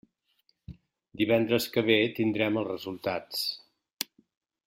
Divendres que ve tindrem els resultats.